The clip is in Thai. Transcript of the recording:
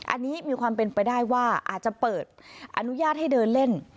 อันนี้มีความเป็นไปได้ว่าอาจจะเปิดอนุญาตให้เดินเล่น